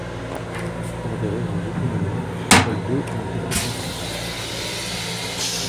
Pour des raisons d'économie, seules deux ont été construites.